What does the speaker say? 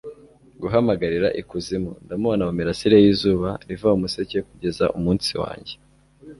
guhamagarira ikuzimu. ndamubona mu mirasire y'izuba riva mu museke kugeza umunsi wanjye